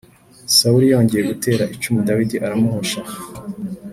Sawuli yongeye gutera icumu Dawidi aramuhusha.